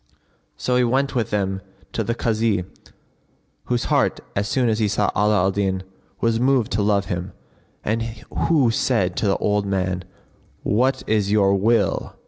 So he went with them to the Kazi whose heart, as soon as he saw Ala al Din, was moved to love him, and who said to the old man, "What is your will?"